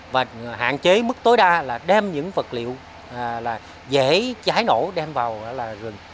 và hạn chế mức tối đa là đem những vật liệu dễ cháy nổ đem vào rừng